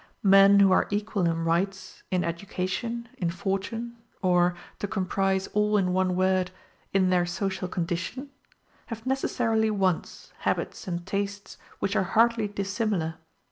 Men who are equal in rights, in education, in fortune, or, to comprise all in one word, in their social condition, have necessarily wants, habits, and tastes which are hardly dissimilar.